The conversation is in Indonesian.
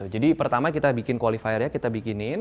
jadi pertama kita bikin qualifiernya kita bikinin